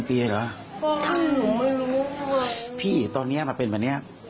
พี่ตอนนี้มันเป็นแบบนี้